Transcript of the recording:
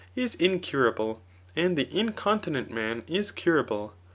IS incurable^ and the incontinent man is curable.